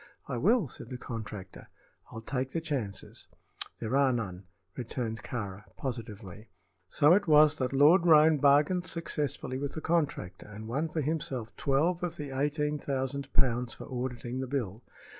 "I will," said the contractor. "I'll take the chances." "There are none," returned Kāra, positively. So it was that Lord Roane bargained successfully with the contractor and won for himself twelve of the eighteen thousand pounds for auditing the bill.